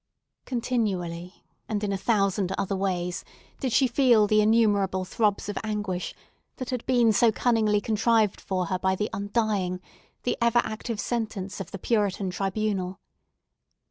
Continually, and in a thousand other ways, did she feel the innumerable throbs of anguish that had been so cunningly contrived for her by the undying, the ever active sentence of the Puritan tribunal.